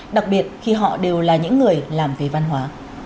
đặc biệt khi họ đều là những người làm về văn hóa